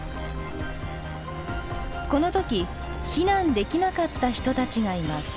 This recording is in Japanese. この時避難できなかった人たちがいます。